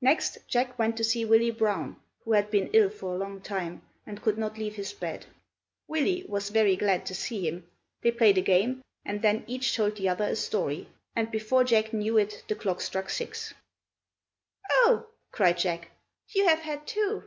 Next Jack went to see Willy Brown, who had been ill for a long time and could not leave his bed. Willy was very glad to see him; they played a game, and then each told the other a story, and before Jack knew it the clock struck six. "Oh!" cried Jack. "You have had two!"